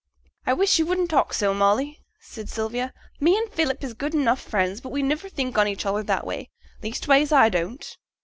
'I wish yo' wouldn't talk so, Molly,' said Sylvia; 'me and Philip is good enough friends, but we niver think on each other in that way; leastways, I don't.'